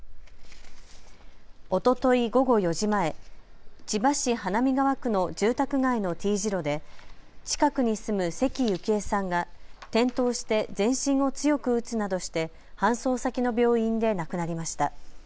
おととい午後４時前、千葉市花見川区の住宅街のＴ字路で近くに住む関ゆきえさんが転倒して全身を強く打つなどして搬送先の病院で亡くなりました。